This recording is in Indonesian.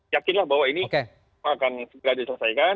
yakinlah bahwa ini akan segera diselesaikan